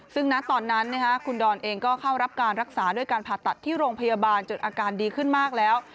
ซึ่งณตอนนั้นคุณดอนเองก็เข้ารับการรักษาด้วยการผ่าตัดที่โรงพยาบาลจนอาการดีขึ้นมากแล้ว